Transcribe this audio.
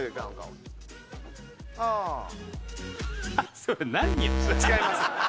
それ違います。